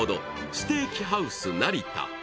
ステーキハウス成田。